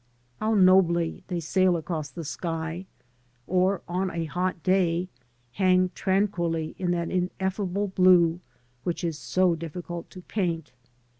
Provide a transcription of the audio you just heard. How nobly they sail across the sky, or, on a hot day, hang tranquilly in that ineffable blue which is so difficult to paint.